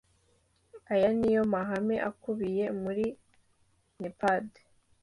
aya niyo mahame akubiye muri nepad,